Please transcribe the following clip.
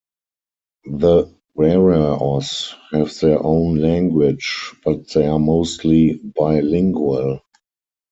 The Waraos have their own language, but they are mostly bilingual.